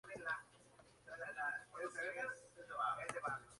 Un joven trabaja como doble de riesgo pero su verdadera vocación es el canto.